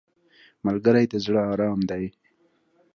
ملګری د زړه ارام دی